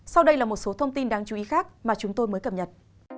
sau đây là một số thông tin đáng chú ý khác mà chúng tôi mới cập nhật